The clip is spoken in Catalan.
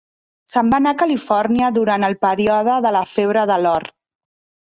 Se'n va anar a Califòrnia durant el període de la febre de l'or.